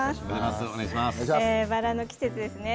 バラの季節ですね。